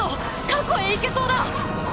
過去へ行けそうだ！